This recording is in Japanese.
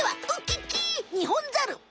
ニホンザル！